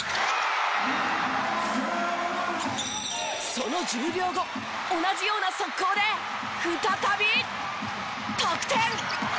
その１０秒後同じような速攻で再び得点！